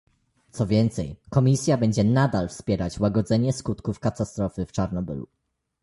Co więcej, Komisja będzie nadal wspierać łagodzenie skutków katastrofy w Czarnobylu